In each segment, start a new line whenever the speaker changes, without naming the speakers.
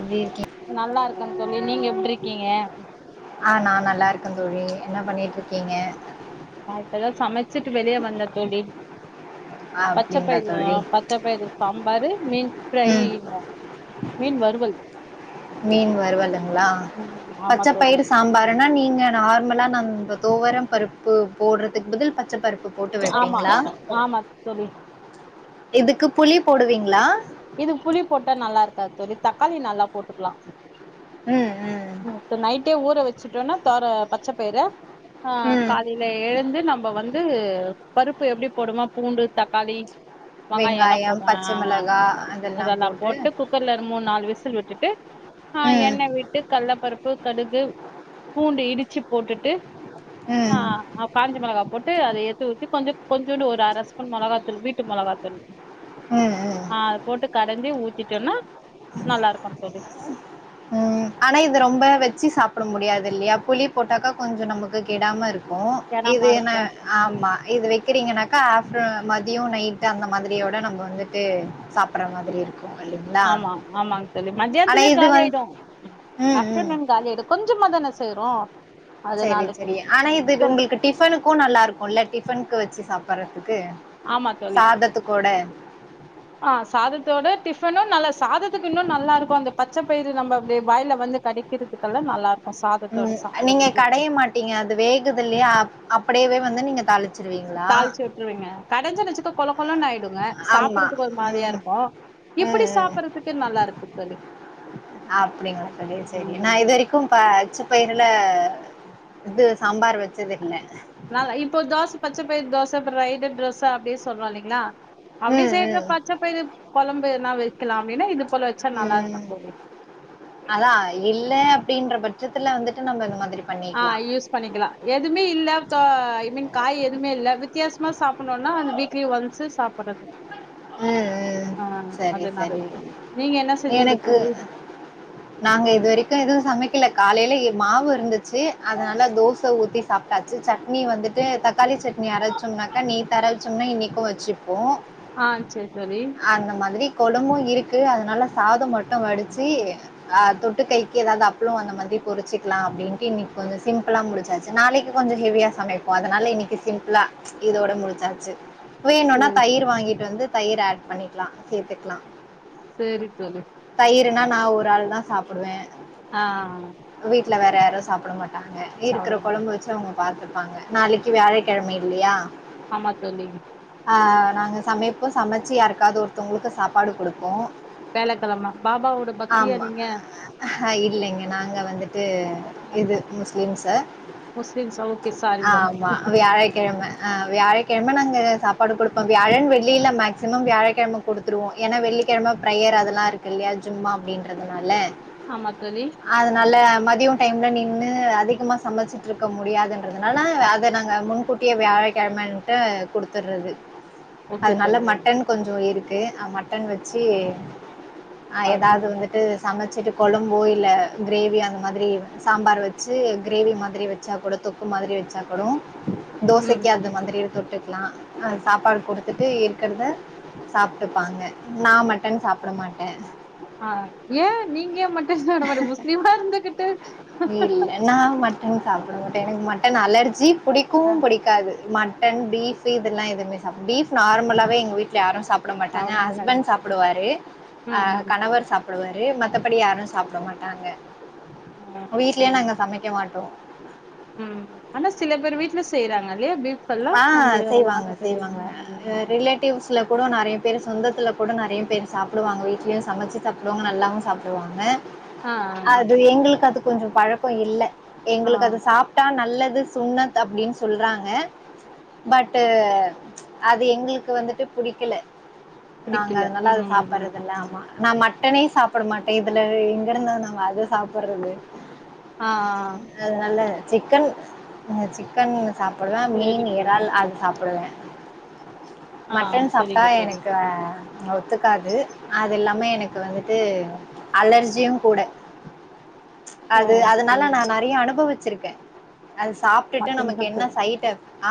எப்டி இருக்கீங்
நல்லா இருக்க தோழி நீங்க எப்டி இருக்கீங்க
ஆ நா நல்லா இருக்கேன் தோழி என்ன பண்ணிட்டு இருக்கீங்க
நா இப்பதா சமச்சுட்டு வெளிய வந்த தோழி
ஆ
பச்ச
அப்டிங்களா
பயிறு
தோழி
பச்சை பயிறு சாம்பாரு மீன் ஃப்ரை
ம்
மீன் வருவல்
மீன் வருவலலுங்களா
ம் ஆமா தோழி
பச்சப்பயிறு சாம்பார் நீங்க நார்மலா ந தோவரம் பருப்பு போடுறதுக்கு பதில் பச்ச பருப்பு போட்டு
ஆமா
வைப்பீங்களா
ஆமா தோழி
இதுக்கு புளி போடுவீங்களா
இதுக்கு புளி போட்டா நல்லா இருக்காது தோழி தக்காளி நல்லா போட்டுக்கலாம்
ம் ம்
நைட்டே ஊற வச்சுட்டோம்னா தோர பச்சப்பயிறு ஆ
ம்
காலை இல்ல எழுந்து நம்ம வந்து பருப்பு எப்டி போடுமா பூண்டு தக்காளி வெங்காய எல்லாம்
வெங்காயம்
போடு அ
பச்ச மிளகா
அ
அதெல்லா
அதெல்லாம் போட்டு குக்கர்ல மூணு நா விசில் விட்டுட்டு ஆ
ம்
எண்ண வி கள்ளப்பருப்பு கடுகு பூண்டு இடிச்சு போட்டுட்டு அ
ம்
காஞ்ச மிளகா போட்டு அத ஏத்து வச்சு கொஞ்ச கொஞ்சோண்டு ஒரு அர ஸ்பூன் மொளகாத்தூள் வீட்டு மொளகா தூள்
ம் ம்
ஆ அது போட்டு கடஞ்சி ஊத்திட்டோனா நல்லா இருக்கும் தோழி
ம் ஆனா இது ரொம்ப வச்சு சாப்ட முடியாது இல்லையா புளி போட்டாக்கா கொஞ்ச நமக்கு கெடாம இருக்கு ஓ இது
கெரமா
என்ன
இருக்கு
ஆமா இது வக்கிறீங்கனாக்கா ஆப்டர்னு மதியம் நைட் அந்த மாதிரியோட நம்ம வந்துட்டு சாப்ப சாப்பற மாரி இருக்கும் இல்லிங்களா ஆனா இது வந்து
ஆப்டர்நூன் காலி ஆயிடு கொஞ்சமாதான செய்யரோ
சரி சரி ஆனா இது உங்கக டிஃபனுக்கும் நல்லா இருக்கும்ல்ல டிஃபனுக்கு வச்சு சாப்பட்றதுக்கு
ஆமா தோழி
சாதத்துக்தோட
ஆ சாதத்தோட டிஃபனும் நல்ல சாதத்துக்கு இன்னு நல்லா இருக்கும் அந்த பச்ச பயிரு நம்ம அப்டியே வாயில்ல வந்து கட கடிக்கறக்கல்லாம் நல்லா இருக்கும் சாதத்தோட
ம்.
சாப்றத்துக்கு
கடைய நீங்க அது வேகுது இல்லையா அப்டியே வந்து நீங்க தாளிச்ச
தாளிச்சி விட்டுருவேங்க கடைஞ்ச நச்சுக்க கொள கொளன்னு ஆயிடுங்க
ஆமா.
சாப்டுறதுக்கு ஒரு மாரியா
ம்.
இருக்கு
ம்,
இப்படி சாப்பறதுக்கு நல்லா இருக்கு தோழி
அப்டிங்களா தோழி சரி
ம்
நான் இது வரைக்கு அப்ப பச்ச பயிரல இது சாம்பார் வச்சது இல்ல
நல்லா இப்போ தோசை பச்ச பயர் தோச இப்பறம் [unintelligible] தோச அப்டினு சொல்றோ இல்லங்கீளா இல்லலைங்களா அப்டியே
ம்
செய்யற
ம்
பச்சை பயறு கொழம்பு என்னா வைக்கலாம்னே இது போல வச்சா நல்லா இருக்கு
ம்
தோழி
அதான் இல்லை அப்டின்ற பட்சத்துல வந்துட்டு நம்ம இந்த மாதிரி பண்ணிக்கலாம்
[unintelligible] பண்ணிக்கலா எதுவுமே இல்ல க ஐ மீன் காய் எதுவுமே இல்ல வித்தியாசமா சாப்டனோனா அந்த வீக்லி ஒன்ஸ் சாப்டுறது
ம் ம்
அ
சரி
அதனால
சரி
[inaudible] நீங்க என்ன செஞ்சீங்க தோழி
நாங்க இது வரைக்கு எதுவு சமைக்கல காலையில மாவு இருந்துச்சு அதனால தோசை ஊத்தி சாப்ட்டாச்சு சட்னி வந்துட்டு தக்காளி சட்னி அரைச்சோம்னாக்கா நேத்து அரைச்சோம்னா இன்னைக்கு வச்சுப்போ
அ சேரி தோழி
அந்த மாதிரி கொழம்மு இருக்கு அதனால சாதம் மட்டும் வடிச்சு அ தொட்டு கைக்கு ஏதாவது அப்பளோ அந்த மாதிரி பொரிச்சுக்கலா அப்டின்ட்டு இன்னைக்கு கொஞ்சம் சிம்பிளா முடிச்சாச்சு நாளைக்கு கொஞ்சொ ஹெவியா சமைப்போ அதனால இன்னைக்கு சிம்பிளா இதோட முடிச்சாச்சு வேணும்ன்னா
சேரி
தயிர் வாங்கிட்டு வந்து தயிர் ஆட் பண்ணிக்கலா சேர்த்துக்கலா
சேரி தோழி
தயிர்னா நான் ஒரு ஆள் தா சாப்டுவே
அ
வீட்டுல வேற யாரு சாப்ட மாட்டாங்க இருக்கிற
சாப்ட மாட்டே
கொழம்பு வச்சு அவங்க பாத்துப்பாங்க நாளைக்கு வியாழக்கிழமை இல்லையா
ஆமா தோழி
அ நாங்க சமைப்போம் சமைச்சு யாருக்காவது ஒருத்தவங்களுக்கு சாப்பாடு குடுப்போ
வியாழக்கிழமை பாபாவோட பக்தியா நீங்க
அ இல்லைங்க நாங்க வந்துட்டு இது முஸ்லிம்ஸ
முஸ்லிம்ஸா ஓகே சாரிபா
ஆமா வியாழகிழமை அ வியாழக்கிழமை நாங்க சாப்பாடு குடுப்போ வியாழன் வெள்ளில மேக்சிமம் வியாழக்கிழமை குடுத்துருவோ ஏன்னா வெள்ளிக்கிழமை ஃபிர்யர் அதெல்லா இருக்கு இல்லையா ஜும்மா அப்டின்றதுனால
ஆமா தோழி
அதுனனல
ம்
மதியம் டைம்ல நின்னு அதிகமாக சமச்சுட்டு இருக்க முடியாதுன்றதுனால அத நாங்கள் முன்கூட்டியே வியாழக்கிழமை [inaudible] குடுத்துடுறது
ஓகே
அது நல்ல
தோழி
மட்டன் கொஞ்சி இருக்கு மட்டன் வச்சு அ
ஆ
ஏதாவது
சரி
வந்து சமைச்சிட்டு கொழம்போ இல்ல கிரேவி அந்த மாதிரி சாம்பார் வச்சு கிரேவி மாதிரி வச்ச ஒரு தொக்கு மாதிரி வச்சா கூட தோசைக்கு
ம்
அந்த மாதிரி தொட்டுக்கலாஅ சாப்பாடு குடுத்துட்டு இருக்கிறத சாப்பிட்டுப்பாங்க நான் மட்டன் சாப்பட மாட்டே
அ ஏ நீங்க மட்டன் சாப்படமாட் முஸ்லீம்மா இருந்துகிட்டு
நா மட்டன் சாப்பட மாட்டே எனக்கு மட்டன் அலர்ஜி பிடிக்கும்வு
ஆ
பிடிக்காது மட்டன் பீஃப் இதெல்லா எதுமே சாப் ஃபீப் நார்மலாவே எங்க வீட்டு யாரு சாப்ட மாட்டாங்க ஹஸ்பண்ட் சாப்டுவாரு
ம் ம்
கணவர் சாப்ப சாப்டுவாரு மத்தபடி யாரு சாப்பட மாட்டாங்க
ஆ
வீடலயே
சரி
நாங்க சமைக்க மாட்டோ
ம் ஆனா சில பேர் வீட்டுல செய்யறாங்க இல்லையா ஃபீப்
ஆ செய்வாங்க செய்வாங்க அ
ம்
ரிலேட்டிவ்ஸ் ல கூட நெறைய பேர் சொந்தத்துல கூட நெறைய பேர் சாப்புடுவாங்க வீட்லயு சமச்சு சாப்புடுவாங்க நல்லாவு சாப்புடுவாங்க
ஆ
அது எங்களுக்கு அது கொஞ்சோ பழக்க இல்ல
ஆ
எங்களுக்கு அது சாப் ட்டா நல்லது சுன்னத் அப்டின்னு சொல்றாங்க பட்டு் அது எங்களுக்கு வந்துட்டு புடிக்கல நாங்க
பிடிக்கல
அதனால அத
ம்
சாப்படுறதுல்ல ஆமா நா மட்டனே சாப்புட மாட்டே இதுல எங்க இருந்த நாங்க அது சாப்பிடுறது
ஆ அ
அதுனல்ல சிக்கன் சிக்கன் சாப்புடுவே
சரி
மீன்
தோழி
ஏறால் அது சாப்புடுவே
ஆ
மட்டன் சாப்ட்டா
சரிங்க தோழி
எனக்கு ஒத்துக்காது அது எல்லாமே எனக் கு வந்துட்டு அலர்ஜியு கூட
ஓ
அது
சரி
அதனால நா நெறைய அனுபவிச்சிருக்கே அது சாப்ட்டுட்டு
மட்டன்
நமக்கு என்ன
சாப்டது
சைடு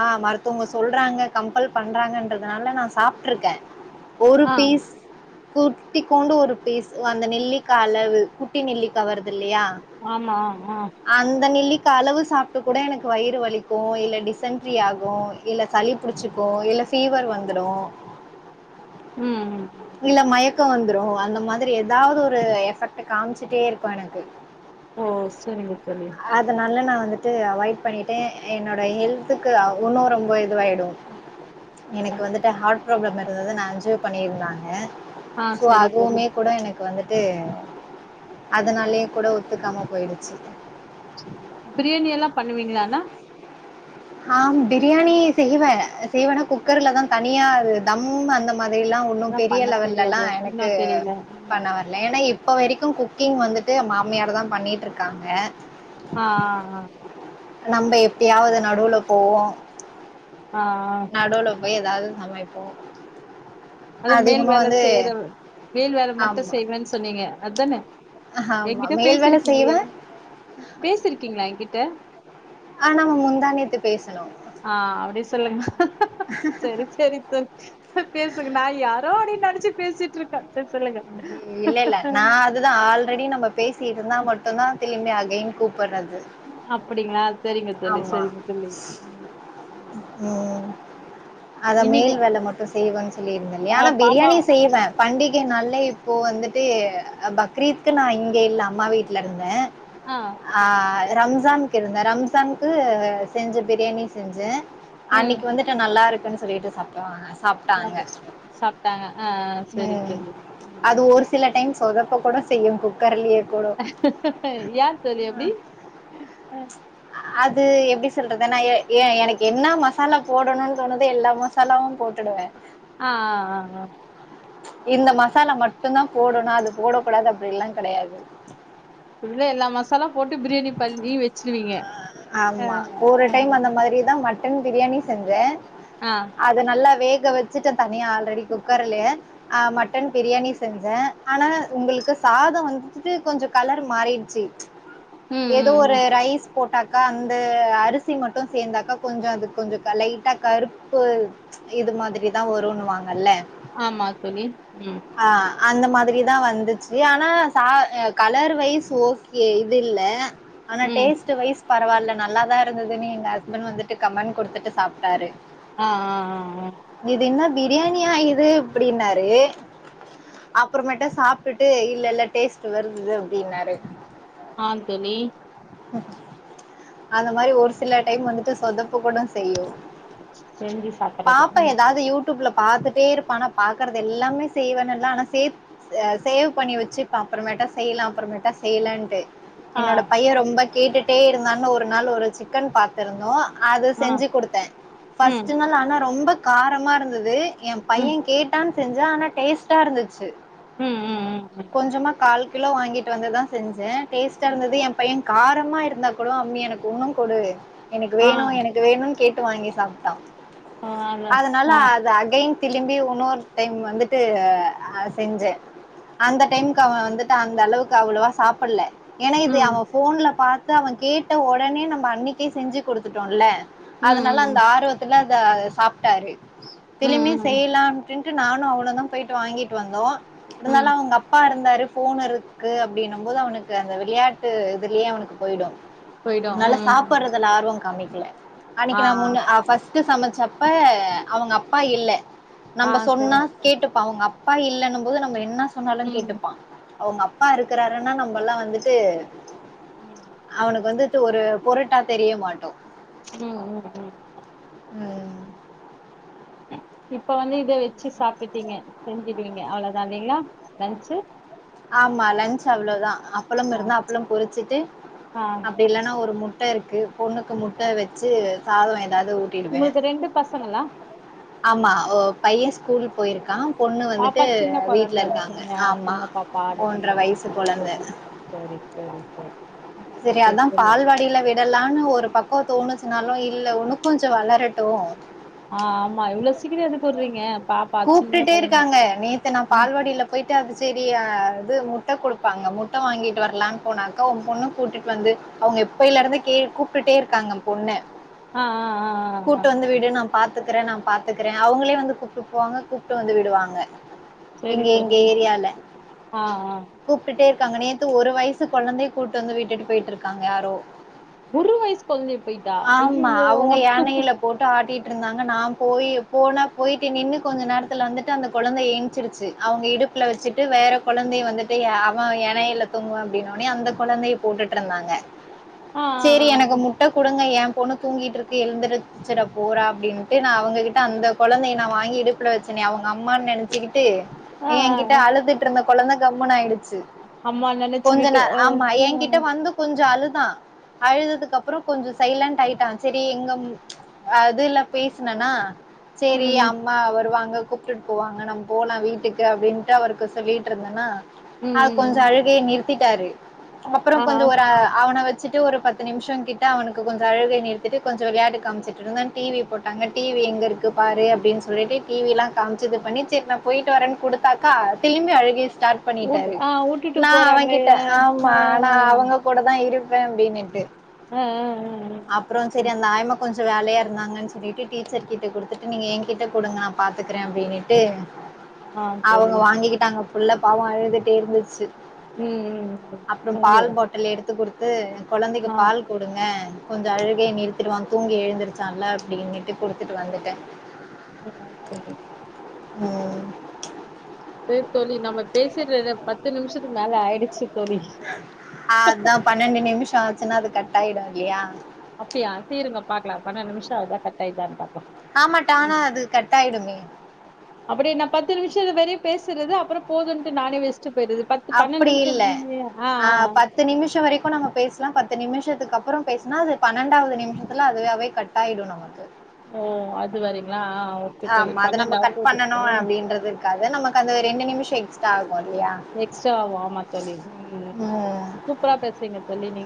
ஆ மருத்துவங்க சொல்றாங்க கம்பல் பண்றாங்கன்றதுனால நா சாப்ட்டுருக்கே ஒரு
ஆ
பீஸ் குட்டிக்கோண்டு ஒரு பீஸ் அந்த நெல்லிக்கா அளவு குட்டி நெல்லிக்கா வரதுல்லையா
ஆமா ஆ
அந்த நெல்லி அளவு சாப்ட்டு கூட எனக்கு வயிறு வலிக்கு இல்ல டிசன்ட் ரிஆகு இல்ல சளி புடிச்சுக்கு இல்ல ஃபீவர் வந்துடு
ம்
இல்ல மயக்க வந்துரு அந்த மாதிரி எதாவது ஒரு எஃபெக்ட் காமிச்சுட்டே இருக்கு எனக்கு
ஓ செரிங்க தோழி
அதனால நா வந்துட்டு அவாய்ட் பண்ணிட்டே என்னோட ஹெல்த் துக்கு ஒன்னு ரொம்ப இதுவாயிடு எனக்கு வந்துட்டு ஹார்ட் ப்ராபாளம் இருந்தது நான அஞ்சி யோ பண்ணியிருந்தாங்க
ஆ
சோ
சரி தோழி
அதுவுமே கூட எனக்கு வந்து ட்டு அதுனாலயே கூட ஒத்துக்காம போயிடுச்சு
பிரியாணி எல்லா பண்ணுவீங்களாண்ணா
ஆ பிரியாணி செய்வே செய்வேனா குக்கர்ல தா தனியா தம்மு அந்த மாதிரில்லா ஒன்னும்
ஆனா
பெரிய
பண்ண
லெவல்லல்லா
தெரியாது இன்னு
எனக்கு
தெரியல
பண்ண
ம்
வர்ல ஏன்னா இப்ப வரைக்கு குக்கிங் வந்துட்டு மாமியார் தா பண்ணிட்டு இருக்காங்க
ஆ ஆ அ
நம்ம எப்பயாவது நடுவுல போவோ
ஆ அ
நடுவுல போய் ஏதாவது சமைப்போ
அத மேல் வேல செய்யற மேல் வேல மட்டு
ஆமா.
செய்வேன்னு சொன்னீங்க அதானே
ஆமா.
எங்கிட்ட
மேல் வேலை
பேசிருக்கீங்களே
செய்வேன்.
பேசிருக்கீங்களா எங்கிட்ட
ஆ நம்ம முந்தானேத்து பேசுனோ
ஆ அப்டி சொல்லுங்க சரி சரி சரி பேச [unintelligible] நா யாரோ அப்டின்னு நெனச்சி பேசிட்டு இருக்கே சர் சொல்லுங்க
அதுதா ஆல்ரெடி நம்ம பேசி இருந்தா மட்டுதா திரும்பி அகைன் கூப்புட்றது
அப்டிங்களா சரிங்க தோழி
ஆமா
சரிங்க தோழி
ம் அத மேல்
இன்னைக்கு
வேல மட்டு செய்வேன்னு சொல்லி இருந்தேன்லயா
ஆ
ஆனா
பாப்பா
பிரியாணி செய்வே பண்டிகை நாள்ல இப்போ வந்துட்டு பக்ரீத்துக் நா இங்க இல்ல அம்மா வீட்ல இருந்தே
ஆ
ஆ ரம்சான்கு இருந்தே ரம்சான்கு செஞ்ச பிரியாணி செஞ்சே
ம்
அன்னிக்கு வந்துட்டு நல்லா இருக்குன்னு சொல்லிட்டு சாப்புடுவாங்க சாப்ட்டாங்க
சாப்ட்டாங்க ஆ சரி
ம்
தோழி
அது ஒரு சில டைம் சொதப்ப கூட செய்யு கு
ஏ தோழி அப்டி
அது எப்டி சொல்றது நா ஏ எனக்கு என்ன மசாலா போடணுனு தோணுதோ எல்லா ம சாலாவு போட்டுடுவே
ஆ ஆ ஆ ஆ
இந்த மசாலா மட்டு தா போடணு அது போட கூடாது அப்டில்லா கெடையாது
இப்டிதா எல்லா மசாலா போட்டு பிரியாணி பண்ணி வச்சிருவீங்க ஆ ஆ
இப்பதா மட்டன் பிரியாணி செஞ்சே
ஆ
அத நல்லா வேக வச்சுட்டே தனியா ஆல்ரெடி குக்கர்லயே ஆ மட்டன் பிரியாணி செஞ்சே ஆனா உங்களுக்கு சாதம் வந்து கொஞ்சோ கலர் மாறிடுச்சு
ம்
ஏதோ
ம்
ஒரு
ம்
ரைஸ் போட்டாக்கா அந்த அரிசி மட்டு சேந்தாக்கா கொஞ்சோ அது கொஞ்சோ லைட்டா கருப்பு இது மாதிரிதா வருனுவாங்கல்ல
ஆமா தோழி ம்
ஆ அந்த மாதிரி தா வந்துச்சு ஆனா சா கலர் வைஸ் ஓ கே இது இல்ல ஆனா
ம்
டேஸ் ட்டு வய்சு பரவாயில்ல நல்லாதா இருந்ததுன்னு எங்க ஹஸ்பண்ட் வந்துட்டு கமெண்ட் குடுத்துட்டு சாப்ட்டாரு
ஆ ஆ ஆ
இது என்ன பிரியாணியா இது இப்டின்னாரு அப்புறமேட்டு சாப்ட்டுட்டு இல்ல இல்ல டேஸ்ட் வருது அப்டின்னாரு
ஆ தோழி
அந்த மாரி ஒரு சில டைம் வந்துட்டு சொதப்ப கூட செய்யு
செஞ்சு சாப்புறதா ம்
யூடியூப்ல பாத்துட்டே இருப்பா ஆனா பாக்குறது எல்லாமே செய்வேனுல்ல ஆனா சே ஆ சேவ் பண்ணி வச்சுப்பே அப்புறமேட்டா செய்லா அப்புறமேட்டா செய்லான்ட்டு
ஆ
என்னோட பைய ரொம்ப கேட்டுட்டே இருந்தான்னு ஒரு நாள் ஒரு சிக்கன் பாத்துருந்தோ அது
ஆ
செஞ்சு கொடுத்தே
ம்
ஃப்ஸ்ட் நாள் ஆனா ரொம்ப காரமா இருந்தது எ பைய
ம்
கேட் டானு செஞ்சே ஆனா டேஸ்டா இருந்துச்சு
ம் ம் ம் ம்
கொஞ்சமா கால் கிலோ வாங்கிட்டு வந்துதா செஞ்சே டேஸ்டா இருந்தது எ பைய காரமா இருந்தா கூட அம்மி எனக்கு இன்னு கொடு எனக்கு
ஆ
வேணு எனக் கு வேணுனு கேட்டு வாங்கி சாப்ட்டா
ஆ லஸ்
அதனால
ஆ
அது அகைன் திழும்பி இன்னொரு டைம் வந்துட்டு செஞ்சே அந்த டைமுக்கு அவ வந்துட்டு அந்த அளவுக்கு அவ்ளவா சாப்பல ஏனா இது
ம்
அவ ஃபோன்ல பாத்து அவ கேட்ட ஒடனே நம்ம அன்னிக்கே செஞ்சு குடுத்துட்டோல
ம்
அதனால அந்த
ம்
ஆர்வத்துல அத சாப்ட்டாரு
ம்
திளிம்பி
ம் ம்
செய்லான் அப்டின்ட்டு நானு அவனுதா போயிட்டு வாங்கிட்டு வந்தோ இருந்தாலு
ம்
அவுங்க அப்பா இருந்தாரு ஃபோன் இருக்கு அப்டின்னு போது அவனுக்கு அந்த வெளையாட்டு இதுலயே அவனுக்கு போயிடு
போயிடு
நல்லா
ம்
சாப்புறதுல ஆர்வம் காமிக்கல
ஆ
அன்னிக்கு நா முன்னு நா ஃப்ஸ் ட்டு சமைச்சப்ப அவுங்க அப்பா இல்ல
ஆ
நம்ம
சரி
சொன்னா கேட்டுப்பா அவுங்க அப்பா இல்லன்னு போது நம்ம என்ன சொன்னாலு
ம்
கேட்டுப்பா அவுங்க அப்பா இருக்கறாருன்னா நம்ம எல்லா வந்துட்டு
ம்
அவனுக்கு வந்துட்டு ஒரு பொருட்டா தெரிய மாட்டோ
ம் ம் ம்
ம்.
இப்போ வந்து இத வெச்சு சாப்டுட்டீங்க செஞ்சுடுவீங்க அவ்ளோதா இல்லைங்ளா லன்ச்சு
ஆமா லன்ச் அவ்ளோதா அப்பளம்
ஆ
இருந்தா அப்பளம் பொரிச்சிட்டு
ஆ
ப்டி இல்லன்னா ஒரு முட்ட இருக்கு பொண்ணுக்கு முட்ட வச்சு சாத ஏதாவது ஊ
உங்களுக்கு ரெண்டு பசங்களா
ஆமா ஒ பைய ஸ்கூல் போயிருக்கா பொண்ணு
பாப்பா
வந்துட்டு
சின்ன
வீட்ல
கொழந்தன்னு
இருக்காங்க
சொன்னீங்க
ஆம்மா
சின்ன பாப்பா
ஒன்ற
அப்டின்னீங்க ஆமா
வயசு கொழந்த
சரி சரி சரி சரி
சரி அதா பால்வாடில இதெல்லாமே ஒரு பக்கோ தோணுச்சுனாலு இல்ல உன்னு கொஞ்சோ வளரட்டு
ஆம்மா இவ்ளோ சீக்ரோ எந்து போட்றீங்க
கூப்டுட்டே இருக்காங்க நேத்து நா
ஆ
பால்வாடில போய்ட்டா அது சரி அ இது முட்ட குடுப்பாங்க முட்ட வாங்கிட்டு வரலான் போனாக்கா ஒம் பொண்ண கூட்டிட் வந்து அவுங்க எப்பலே இருந்தே கே கூப்டுட்டே இருக்காங்க எம் பொண்ண
அ அ அ
கூட்டு வந்து விடு நா பாத்துக்றே நா பாத்க்றே அவுங்களே வந்து கூ ட்டு போவாங்க கூப்ட்டு வந்து விடுவாங்க
சரி
இங்க எங்க
தோழி
ஏரியால
ஆ ஆ
கூப்டுட்டே இருக்காங்க நேத்து ஒரு வயசு கொழந்தைய கூட்டு வந்து விட்டுட்டு போயிட்ருக்காங்க யாரோ
ஒரு வயசு கொழ்ந்தய போயிட்டா
ஆமா
ஐயய்யோ
அவங்க யானையில போட்டு ஆட்டிட்டு இருந்தாங்க நா போய் போன போயி ட்டு நின்னு கொஞ்ச நேரத்ல வந்துட்டு அந்த கொழந்தை என்ச்சிருச்சு அவுங்க இடுப்புல வச்சிட்டு வேற கொழந்தைய வந்துட்டு அவ எணையில தூங்குவா அப்டினனுனே அந்த கொழந்தைய போட்டுட்ருந்தாங்க
ஆ ஆ
சேரி எனக்கு மு ட்ட குடுங்க எம் பொண்ணு தூங்கிட்ருக்கு எழ்ந்திரச்ச போறா அப்டின்ட்டு நா அவுங்ககிட்ட அந்த கொழந்தைய நா வாங்கி இடுப்புல வச்சேனோ அவுங்க அம்மான் நெனைச்சுக்கிட்டு
ஆ ஆ
எங்கிட்ட
ஆ
அழுது ட்ருந்த கொழந்த கம்முனு ஆயிடுச்சு
அம்மா
கொஞ்ச
நெனச்சுக்கிட்டு
நேர்
அ
ஆம்மா
ஆ
எங்கிட்ட வந்து கொஞ்ச அழுதா அழுதுதுக்கு அப்றோ கொஞ்ச சைலண்ட் ஆயிட்டா செரி எங்க அதுல்லா பேசனனா சரி
ம்
அ ம்மா வருவாங்க கூப்டுட் போவாங்க நம் போலா வீட்டுக்கு அப்டின்ட்டு அவருக்கு சொல்லிட்ருந்தன்னா
ம்
அது கொஞ்சோ
ம்
அழுகைய நிறுத்திட்டாரு அப்றோ
ஆ
கொஞ்ச ஒரு அ அவன வச்சுட்டு ஒரு பத் து நிம்ஷ கிட்ட அவனுக்கு கொஞ்ச அழுகைய நிறுத்திட்டு கொஞ்ச விளையாட்டு காமிச்சிட் இருந்தேன் டி வி போட்டாங்க டி வி எங்க இருக்கு பாரு அப்டின் சொல்லிட்டு டி விலா காம்ச்சு இது பண்ணி செரி நா போயிட்டு வரேன் குடுத்தாக்கா திரும்பி அழுகய ஸ்டா ட்
வுட்டு
பண்ணிட்டரு
ஆ வுட்டுட்டு
நா
போறாங்களே
அவங்கிட்ட
அ
ஆம்மா ஆனா
ஆ
அவுங்க கூட தா இருப்பே அப்டின்னுட்டு
அ அ அ அ
அப்றோ செரி அந்த ஆயமா கொஞ்ச வேலையா இருந்தாங்கன் சொல்லிட்டு டீச்சர்கிட்ட குடுத்துட்டு நீங்கள் எங் க கிட்ட குடுங்க நா பாத்துக்கிறே அப்டின்னுட்டு
ஆ ஆ சரி
அவுங்க வாங்கிக்கிட்டாங்க புள்ள பாவோ அழுதுட்டே இருந்துச்சு
ம் ம் ம்
அப்றம்
ஐயோ
பால் பாட்டலு எடுத்து குடுத் து கொழந்தைக்கு
ஆ
பால் குடுங்க கொஞ்சோ அழுகய நிறுத்திடுவா தூங்கி எழுந்திருச்சான்ல அப்டின்னுட்டு குடுத்துட்டு வந்துட்டே
அ செரி
ம்
சேரி தோழி நம்ம பேசட்றந்த பத்து நிம்ஷத்துக்கு மேல ஆயிடுச்சு தோழி
அதா பன்னெண்டு நிமிஷ ஆச்சுனா அது கட் ஆயிடு இல்லையா
அப்டியா சே இருங்க பாக்லா பன்னெண் நிமிஷ அதா கட் ஆயிடுதா பா
ஆமா தானா அது கட் ஆயிடுமே
அப்புடி நா பத்து நிமிஷோ அது வரையு பேசுறது அப்பறோ போதுன்ட்டு நானே வச்சுட்டு பெயறது பத்து பன்னெண்டு நிமிஷோ இல் [inaudible] ஆ ஆ
பத்து நிமிஷோ வரைக்கு நம்ம பேசுலா பத்து நிமிஷத்துக்கு அப்பறோ பேசுனா அது பன்னெண்டாவது நிமிஷத்துல அதுவாவே கட் டாயிடு நமக்கு
ஓ அது வரீங்களா அ ஒ
ஆமா அத நம்ம கட் பண்ணணு அப்டின்றது இருக்காது நமக்கு அந்த ரெண்டு நிமிஷோ எக்ஸ்ட்ரா ஆகு இல்லியா
எக்ஸ்ட்ரா ஆவு ஆமா தோழி ம் ம் சூப்பரா பேசுறீங்க தோழி நீங்